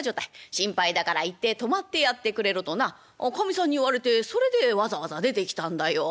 心配だから行って泊まってやってくれろ』となかみさんに言われてそれでわざわざ出てきたんだよ」。